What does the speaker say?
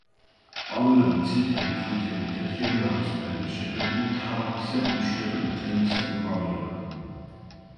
ყვავილები წითელი, ყვითელი, თეთრი ან ვარდისფერია, შეკრებილი თავაკისებრ, იშვიათად მტევნისებრ ყვავილებად.